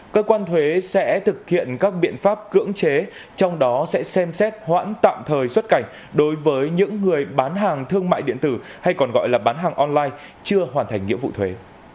cơ quan thuế sẽ thực hiện các biện pháp cưỡng chế trong đó sẽ xem xét hoãn tạm thời xuất cảnh đối với những người bán hàng thương mại điện tử hay còn gọi là bán hàng online chưa hoàn thành nhiệm vụ thuế